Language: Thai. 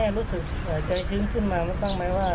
รู้สึกใจชื้นขึ้นมาบ้างไหมว่า